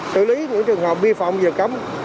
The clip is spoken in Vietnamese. xử lý những trường hợp vi phạm giờ cấm